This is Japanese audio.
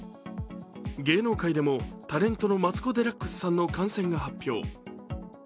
芸能界でも、タレントのマツコ・デラックスさんの感染を所属事務所が発表。